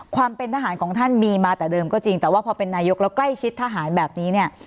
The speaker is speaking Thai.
ความเป็นทหารของท่านมีมาแต่เดิมก็จริงแต่ว่าพอเป็นนายกแล้วใกล้ชิดทหารแบบนี้เนี่ย